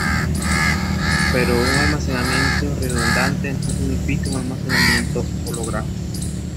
Pero un almacenamiento redundante no significa un almacenamiento holográfico.